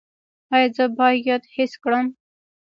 ایا زه باید حس کړم؟